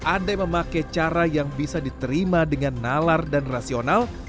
ada yang memakai cara yang bisa diterima dengan nalar dan rasional